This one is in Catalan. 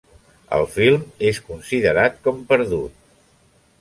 El film és considerat com perdut.